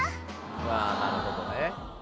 ああなるほどね。